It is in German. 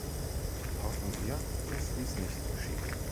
Hoffen wir, dass dies nicht geschieht.